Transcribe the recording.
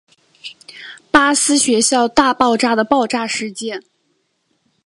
巴斯学校大爆炸的爆炸事件。